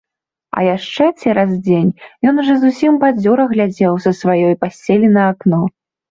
А яшчэ цераз дзень ён ужо зусім бадзёра глядзеў са сваёй пасцелі на акно.